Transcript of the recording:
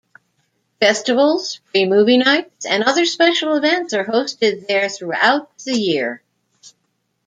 Festivals, free movie nights and other special events are hosted there throughout the year.